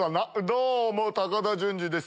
どうも高田純次です。